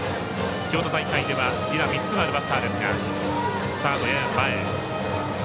京都大会では犠打３つがあるバッター。